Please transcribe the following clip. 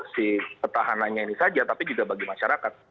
si petahannya ini saja tapi juga bagi masyarakat